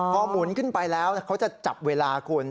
พอหมุนขึ้นไปแล้วเขาจะจับเวลาคุณ